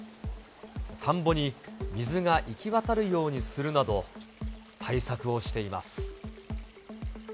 田んぼに水が行き渡るようにするなど、対策をしています。